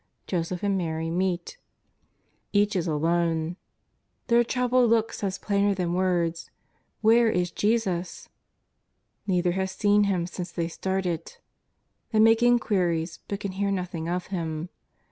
Joseph and Mary meet. Each is 6 94 JESUS OF NAZAKETH. alone. Their troubled look says plainer than words: " Where is Jesus ?'' Neither has seen Him since they started. They make inquiries but can hear nothing of Him.